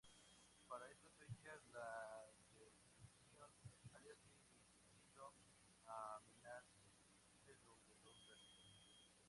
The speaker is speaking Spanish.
Para estas fechas la defección había asistido a minar el celo de los realistas.